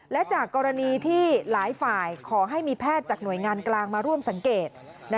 และจากกรณีที่หลายฝ่ายขอให้มีแพทย์จากหน่วยงานกลางมาร่วมสังเกต